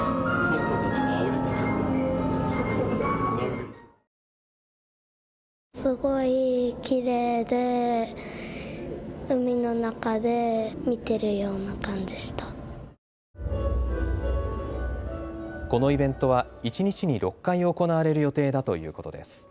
このイベントは一日に６回行われる予定だということです。